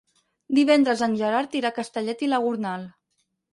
Divendres en Gerard irà a Castellet i la Gornal.